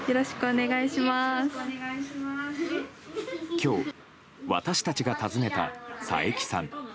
今日、私たちが訪ねた佐伯さん。